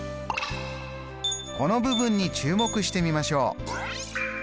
この部分に注目してみましょう。